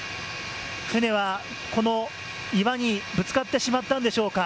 船は、この岩にぶつかってしまったのでしょうか。